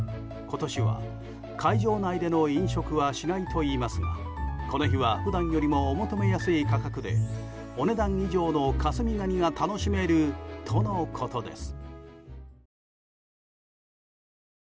今年は会場内での飲食はしないといいますがこの日は普段よりもお求めやすい価格でお値段以上の香住ガニが楽しめるとのことです。